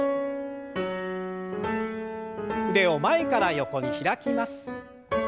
腕を前から横に開きます。